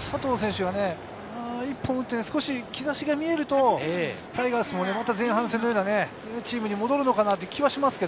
佐藤選手がね、一本打って兆しが見えると、タイガースも前半戦のようなチームに戻るのかなという気がします。